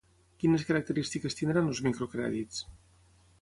Quines característiques tindran els microcrèdits?